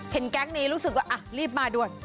เห็นแก๊งนี้รู้สึกว่าอ่ะรีบมาด้วย